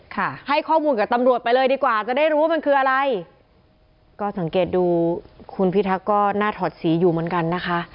ค่ะให้ข้อมูลกับตำรวจไปเลยดีกว่าจะได้รู้ว่ามันคืออะไรก็สังเกตดูคุณพิทักษ์ก็น่าถอดสีอยู่เหมือนกันนะคะ